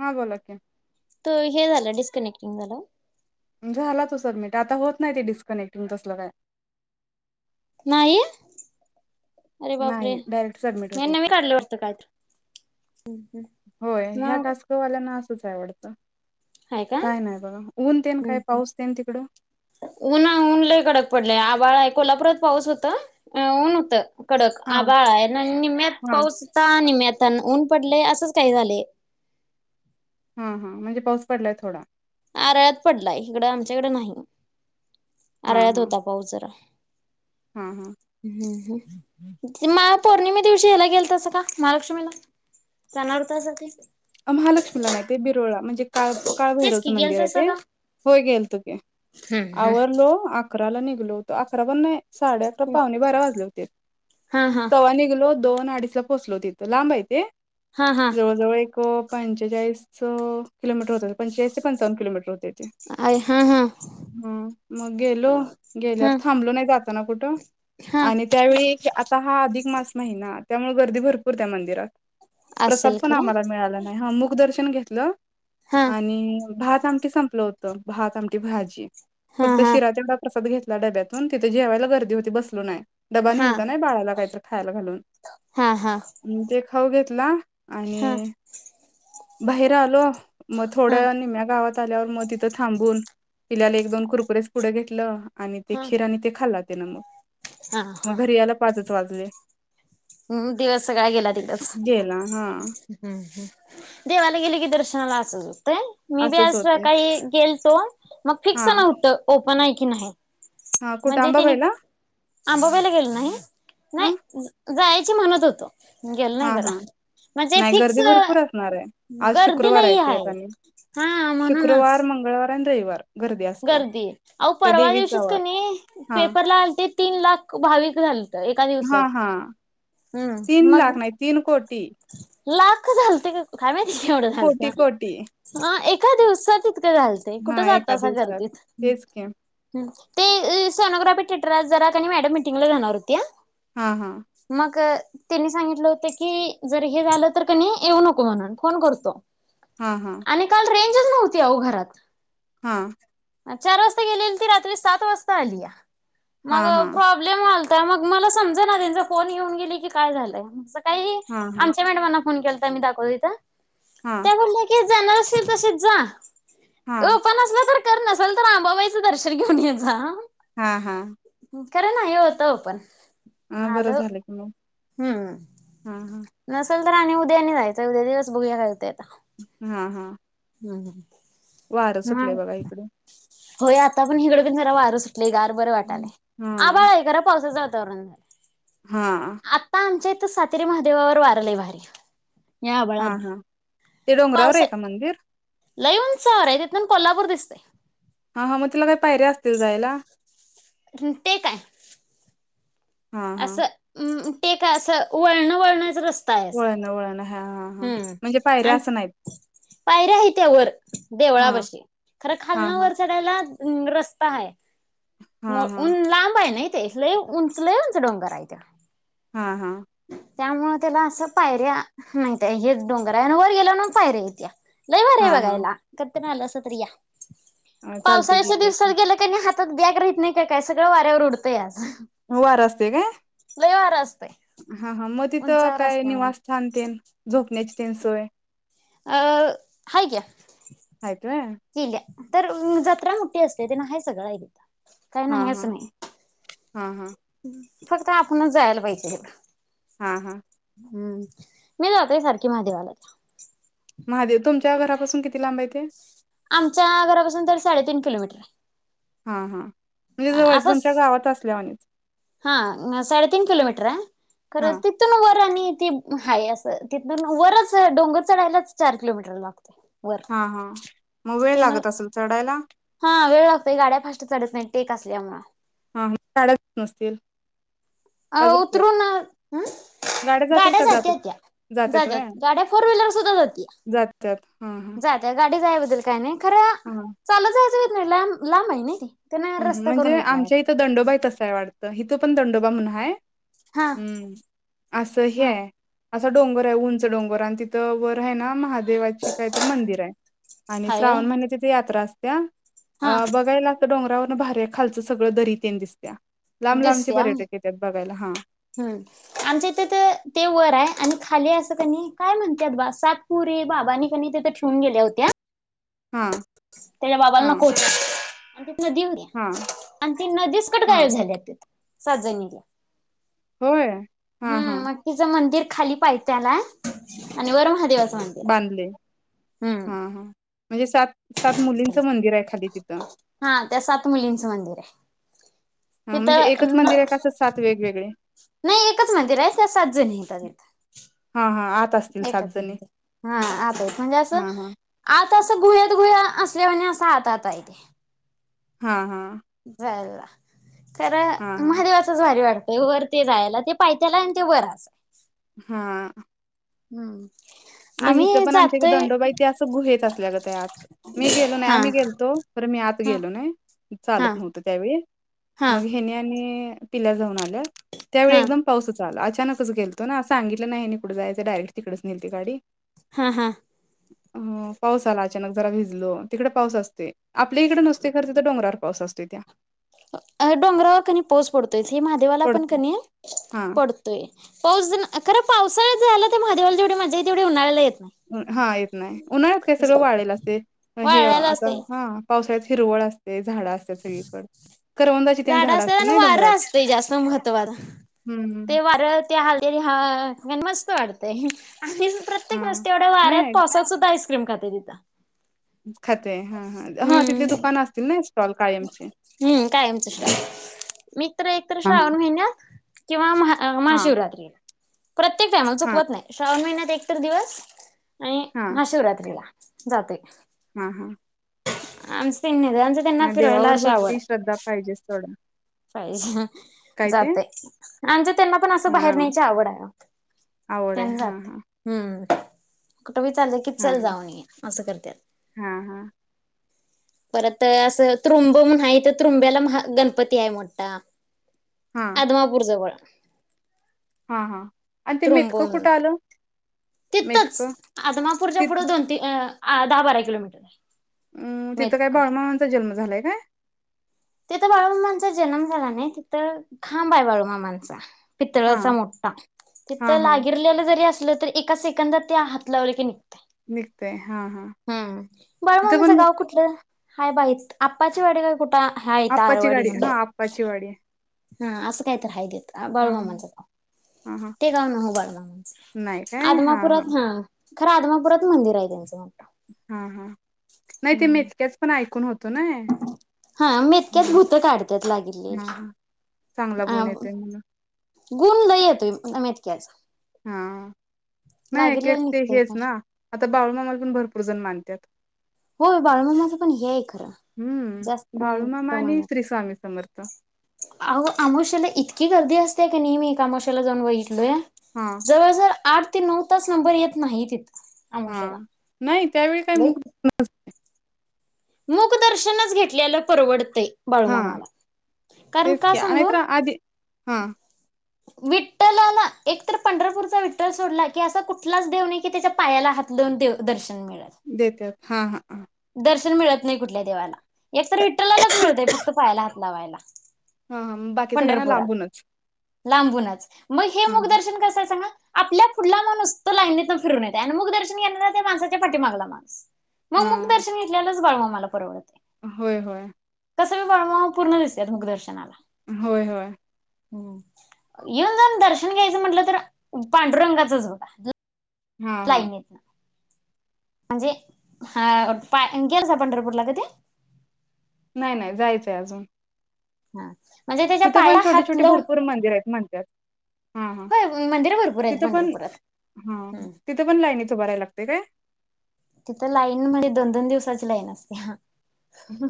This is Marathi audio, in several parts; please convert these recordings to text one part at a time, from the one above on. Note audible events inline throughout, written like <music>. हा बोला कि. त हे झालं डिस्कनेक्टिंग झालं. झाला तो सबमिट आता होत नाही, ते डिस्कनेक्टिंग तसलं काय. नाही? अरे बापरे नाही यांना डायरेक्ट सबमिट मी होतंय, नवी काढलं वाटतं काय तर व्हय ह्या टास्क वाल्यांना अस च हाय वाटतं? हाय का? काय नाही बघा ऊन तेन उम्म काय हम्म पाऊस तेन तिकडं उन् ऊन लई कडक पडले. आ बाळ हाय. कोल्हापुरात पाऊस होत? काय ऊन होतं? कडक हा आभाळ आहे ना निम्यात हा पाऊस होता निम्म्यात तन ऊन पडले असंच काही झाले. हा हा म्हणजे पाऊस पडलाय थोडा. आरळ्यात पडलाय इकडं आमच्याकडे नाही. हा आरळ्यात हा होता पाऊस जरा. हा हा हम् ह ते मा पौर्णिमे दिवशी ह्याला गेलतासा का महालक्ष्मीला जाणार हुतासा की? आ महालक्ष्मीला नाही ते बिरोळा म्ह जे काळ तेच की काळभैरवचं गेल मंदिर आहे तसं ते. का होय गेलतो की, आवरलो अकराला निघ गलो तो आकरा पण नाही. साडे अकरा पावणे बारा वाजले होते. हा हा हा तव्हा निघलो दोन अडीचला पोचलो तिथं लांबय ते. हा हा जवळजवळ एक. पंचेचाळीस च किलोमीटर होतं. पंचेचाळीस ते पंचावन्न किलोमीटर होते. अ हा हा हम्म मग गेलो हा गेल्यावर थांबलो नाही जास्त. सनापुटो. हा आणि त्यावेळी आता हा अधिक मास महिना. त्यामुळे गर्दी भरपूर त्या मंदिरात. प्रसाद असेल पण खरं आम्हाला मिळाला. हा मुखदर्श शन घेतलं. हा आणि भात. आमटी संपलं होतं. भात आमटी, भाजी. हा फक्त हा शिरा तेवढा प्रसाद घे डब्यातून तिथे जेवायला गर्दी होती, बसलो नाही. डबा हा हा नेह्लता नाही बाळाला काहीतर खायला घालून, हा हा ते खाऊ घेतला हा आणि. बाहेर आलो. मग हा थोडं निम्या गावात आल्यावर मग तिथं थांबून पिल्याला एक दोन कुरकुरेच पुढं घेतलं आणि हा ते खिर आणि ते खाला. ते नम मग घरी याला पाचच वाजले. हम्म दिवस सकाळ गेला तिथेच गेला हा हम्म ह् देवाला गेल की दर्शनाला असच मी बी असंच आज होतय सकाळी गेल <unintelligible> मग हा फिक्स नव्हतं. ब <unintelligible> नाही की नाही हा कुठं म्हणजे तिने आंबाबाईला अंबाबाईला गेल नाही? हा नाही जायची म्हणत होती. गेल नाही हा करा हा म्हणजे नाही फिक्स गर्दी भरपूर असणार आहे आज गर्दी शुक्रवार लई ते एक आहे आणि हा म्हणूनच. पण रविवार. गर्दी असत्या गर्दी अहो त्या परवा देवीचा दिवशीच क वार नाही हा पेपरला आलते तीन लाख भाविक झाले हा हा तीन हम्म लाख मग नाही तीन कोटी लाख झालते का? काय माहिती एवढं कोटी झालत कोटी एका दिवसात इ लते कुठे हा एका जाता सुट्ट्यात. हा दिवसात तेच की गर्दीत ते सोनोग्राफी <unintelligible> टरात जरा मॅडम मिटिंग ला जाहणार होत्या हा हा मग त्यांनी सांगितलं होत की जर हे झालं तर कणी येऊ नको म्हणून फोन करतो. हा हा आणि काल रे <unintelligible> नव्हती ओ घरात हां चार वाजता गेलेली त रात्री सात वाजता आलीया. मग हां, हां, प्रॉब्लेम होल त्या मग मला समजेना त्यांचा फोन येऊन गेली की काय झालंय. काही हां, हां, आमच्या मॅडमांना फोन केला मी दाखवली तं हां, त्या म्हणाल्या की जाणार अस तसेच जा. हां, ओपण असलं तर नसाल तर आंबाबाईचं दर्शन घेऊन यायं हा हां खरं नाही होतं ओपन मग हा बरं आलो झालंय की मग हां, हां, हम्म नसेल तर आणि उद्या आणि जायचं उद्या दिवस बघूया काय होतय. हा हां <inaudible> वार सुटलय मग बघा इकडं होय आता पण हिकड पण जरा वार सुट आपले गार बर हं, वाटालेय आभाळ हां, हाय खर पावसाच तण हां, आत्ता आमच्या सातेरी महादेवावर वार लय भारी. या हा आभाळात हा ते डोंगरावर पावसा हाय का मंदिर? लई उंचावर आहे तिथून कोल्हापूर दिसतय. हा हा मग म्हटलं काही पायर्‍या असतील जायला. तेे काय हां, हां. असं हम् <unintelligible> का असं वळण वळणच रस्त वळणं वळणं हां, हां, हां. हम्म म्हणजे पायऱ्या असं नाहीत. आणि पायऱ्या आहेत त्या वर हां, देवळापाशी खरं हां, खालनं हां, वर चढायला हम् रस्ता हाय हां, न हां, लांब हाय नाही लय उंच उंच डोंगर हाय तो हा हा त्त्यामुळ त्याला असं पायऱ्या मातय हेच डोंगर आहे आणि वर गेला म्हणून पायर हाय त्या लय भारी हां, हां. बघायला. पण आलास तर या अ, चालते की पावसाळ्याच्या ये की. दिवसात गेलं क नाही हात आ बॅग राहत नाही काय सगळं वाऱ्यावर उडतंया लय भारी असतं. हा हा म तिथं काय निवासस्थान तीन झोपण्याची तिन सोय अ हाय क्या हाय <unintelligible> तर जत्रा मोठी असते ते ना आहे सगळं. नाही नाही असं नाही हा हा फक्त आपणच जायला पाहिजे तिथ हा हा हम्म मी लावते सारखी महादेवाला महादेव तुमच्या घरापासून किती लांब आहे ते? आमच्या घरापासून तरी साडेतीन किलोमीटर. हा हा म्हणजे हाय जवळच तुमच्या असंच गावात असल्या वाणी हा साडे तीन किलोमीटर हा खरं तिथ <unintelligible> आणि हाय अस तिथ वरच डोंगर चढायलाच चार किलोमीटर लागत हा हा मग वेळ लागत असेल चढायला? हा वेळ लागतोय गाड्या फास्ट चढत नाही टेक असल्यामुळ. हा काडत नसतील. अ का जात्यात? उतरून जात्यात गाड्या का जात जातात असतील? त्या जात्यात व्हय गाड्या फोर व्हीलर सुद्धा जात्यात हा हा हा. जाते गाडी काय काय नाही. खरं चालत जायचंय. नाही लांब लांब आहे न. म्हणजे आमच्या इथं दंडोबाई तसा आहे वाटतं हिथं पण दंडो बा <unintelligible> म्हणून हाय. हा हम्म असं हे हा आहे. असा डोंगर आहे ऊंच डोंगर आणि तिथं वर आहे ना महाद देवाची काय तर मंदिर आहे आणि हायवे श्रावण महिन्यात तिथं यात्रा अस त्या हा अ बघायला असं डोंगरा भारीये खालच सगळं दरी तेन दिस दिसतिया हा हम्म आमच्या इथे ते ते वर आय आणि खाली अस त्यानी काय म्हणतात बा सात पोरी बाबांनी कनी तिथं ठेवून गेल्या होत्या. हा. त्याज्या बाबाला हा नको होत्या. आणि नदी हा हुतीया आणि ती नदीच कुट हा गायब झालीया ती. सातजणी त्या होय हा हा हम्म मग तिचं मंदिर खाली पायत्याला आणि वर महादेवाच बांधलय हा हा. म्हणजे सात सात मुलींचं मंदिर आय खाली तिथं हा त्या सात मुलींचं मंदिर आहे. हा म्हणजे तिथं एकच ना मंदिर आहे का असं सात वेगवेगळे नाई एकच मंदिर आय त्या सात जणी हायता तिथं. हा हा आत असतील सात एकच जणी मंदिर हा आत आहेत म्हणजे असं हा हा आत आता असं गुह्यात गुह्या असल्या वानी असं आत आत आय ते. हा हा. खर हा हा महादेवाचच भारी वा वर ते जायला ते पायत्याला आय आणि ते वरय आसय. हा. हम्म. मग इथं आम्ही पण आमच्या जातोय दंडोबाई ते असं गुहेेत असल्यागत आत मी गेलो नाही हा आम्ही गेलतो खर मी आत हा गेलो नाही. हा चालत नव्हतं त्यावेळी हा मग हेनी आणि पिल्या जाऊन आ त्यावेळी हा एकदम पाऊसच अचानकच गेलतो ना सांगितलं नाही ह्यांनी कुट जायच डायरेक्ट तिकडच नेलती गाडी. हा हा. अ पाऊस आला अचानक जरा भिजलो तिकड पाऊस असतोय. आपल्या इकडे नसते खर तिंथ डोंगरावर पाऊस असतो्य‌ त्या अ डोंगरावर कनी पाऊस पडतो तेच कि महादेवाला पण पडतोय कनी हा पडतोय पाऊस खंर पावसाळ्यात झायला ते महादेवाला जेवढी मज्जा ये तेवढे उन्हाळ्याला येत नाही. हा येत नाही उन्हाळ्यात काय सगळं वाळलेल असतय हे वाळलेलं आता असतय हा पावसाच हिरवळ असतेच. तेन झाड झाडं असत असतील आणि ना डोंगरात वारं असत जास्त महत्त्वाचा हम्म ते वारं त्या हलदी ह मस्त वाढतय. आणि हा प्रत्येक गोष्टी एवढ्या वाऱ्यात पावसात सुद्धा आई क्रीम खाते तिथ. खात हा हा हा तिथल दुकानं असतील नाही. हम्म कायमची मीत एकतर हा श्रावण महिन्यात किंवा महा अ हा महाशिवरात्रीत प्रत्यक फॅमल हा चुकत नाही श्रवण महिन्यात एक तर दिवस आणि हा महाशिवरात्रीला जातोय. हा, हा. आमचं तेनी मग देवावर भक्ती श्रद्धा पाहिजे थोडं. पाहि जाते आमच्या त्यांना पण असं हा बाहेर न्यायची आवड हाय, आवड आहे त्यांना हा जाते हा हम्म. विचारलं की हा चल जाऊन येऊया असं करतात. हा हा परत असं त्रुंब म्हणून आहे त्रुंब्याला महा गणप तीय मोठा हा अदमापूर जवळ. हा हा आणि ते त्रुंब मेथकं म्हणून कुठं आलं मेथकं तिततच आदमापूरच्या ति पुढं दोन तीन अ आ दहा बारा किलोमीटर अम तिथं काय मेतक बाळूमामांचा जन्म झालाय काय? तिथ बाळूमामांचा जन्म झाला नाही तिथं खांब हाय बाळूमामांचा. हा पितळाचा मोठा हा तिथं हा लागिरलेला जरी अस तर एका सेकंदात ते हात लावल की नि निघतय हा हा हम्म तिथं बाळूमामाचं पण गाव कुठलं? हाय बाई आप्पाची वाडी काय कुठं आ आप्पाची गाडी हा आप्पाचीवाडी. हा असं काय तर हा देत बाळूमामांच गाव हा हा ते गाव नव्हं बाळूमामांच आदमापुरात हा खर आदमापुरात मंदिर आहे त्यांचं. हा हा नाही ते हम्म मेतक्याच पण ऐकून होत हा मेतक्यात भूत काढत्यात हा लागिरलेली हा चांगला आ गुण येतोय म्हणून गुण लय येतोय ब मेतक्याचा. हा नाय लागिरलेला त्यात ते निघतय हेच फास्ट ना आता बाळूमामाला पण भरपूर जन मानत्यात. होय बाळूमामाचं पण हे हाय खरं जास्त हम्म अ बाळूमामा आणि प्रमाणात श्री स्वामी समर्थ अहो आमोशाला इतकी गर्दी अस ते की नाही मी एका अमावस्याला जाऊन बघित लोया, हा जवळजळ आठ ते नऊ तास नंबर येत नाही तिथं हा अमावश्याला नाही त्यावेळी काही मुख अस मुखदर्शनच घेतलेला परवडतयं. हा बाळूमामाला कारण का सांगू हां. विठ्ठलाला एक तर पंढरपूरचा विठ्ठल सोडला की असा कुठलाच देव नाही की त्याच्या पायाला हात लावून देवदर्शन देत्यात. हा हा हां. दर्शन मिळत नाही कुठल्या देवाला एकतर विठ्ठलालाच मिळतंय फक्त पायाला हात लावायला. हा हा बाकी सगळ्यांना पंढरपुरात लांबूनच लांबूनच मग हे हा मुखदर्शन कसयं सांगा आपल्या पुढला माणूस तो लाईनीतून फिरून येतोय आणि मुखदर्शन घेणारा त्या माणसाच्या पाठीमागला माणूस म मुख हा मुखदर्शन घेतलेल्याच बाळूमामा मला परवडतयं. होय होय. तस बी बाळूमामा पूर्ण दिसत्यात मुखदर्शनाला. होय होय. हम्म येऊन जाऊन दर्शन घ्यायचं म्हटलं तर पांडुरंगाचच बघा हा <unintelligible> हा म्हणजे हा पाय <unintelligible> पंढरपूरला कधी नाही नाही जायचंय अजून हा म्हणजे त्याच्या तिथं पण पाया छोटे हात छोटे लावून भरपूर मंदिर आहेत म्हणतात, हा हा होय मंदिर भरपूर आहेत तिथं पण पंढरपुरात. हा हम्म तिथं पण लाईनीत उभ रहाव लागते काय. तिथं लाईन म्हणजे दोन दोन दिवसाची लाईन असते हा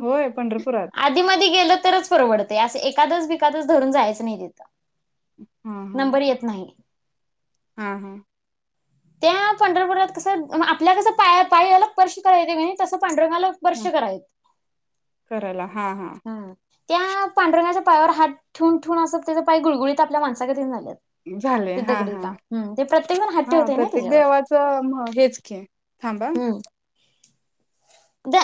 होय पंढरपुरात आधी मधी गेलं तरच परवडते असे एकट <unintelligible> <unintelligible> धरून जायचं नाही तिथं हा नंबर येत नाही. हा हा त्या पंढरपुरात कस आपल्या कस पाया <unintelligible> <unintelligible> करायेत मी तस पांडुरंगला स्पर्श हा करायचा, करायला हा हा हम त्या पांडूरंगाच्या पायावर हात ठेवून ठेवून अस त्याच पाय गुळगुळीत आपल्या माणसागतच होयला लागल्यात. झाले हा हा <unintelligible> हा प्रत्येक देवाचं हेच की, थांब हं द